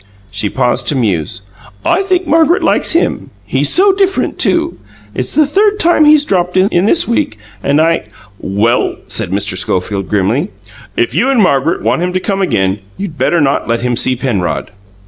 She paused to muse. "I think Margaret likes him; he's so different, too. It's the third time he's dropped in this week, and I " "Well," said Mr. Schofield grimly, "if you and Margaret want him to come again, you'd better not let him see Penrod."